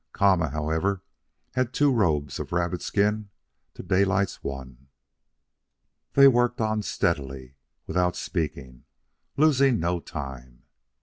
Kama, however, had two robes of rabbit skin to Daylight's one. They worked on steadily, without speaking, losing no time.